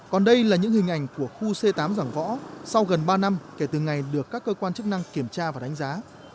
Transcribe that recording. còn đây là những hình ảnh của khu c tám giảng võ sau gần ba năm kể từ ngày được các cơ quan chức năng kiểm tra và đánh giá